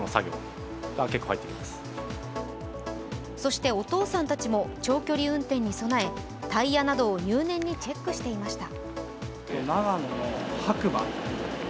そしてお父さんたちも長距離運転に備えタイヤなどを入念にチェックしていました。